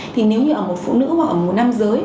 thì nếu như ở một phụ nữ hoặc ở một nam giới